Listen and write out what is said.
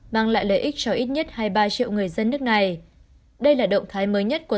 mang lại lợi ích cho ít nhất hai mươi ba triệu người dân nước này đây là động thái mới nhất của